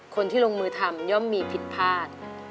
คนที่ลงมือทำย่อมมีผิดพลาด